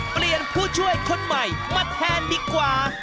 เปลี่ยนผู้ช่วยคนใหม่มาแทนดีกว่า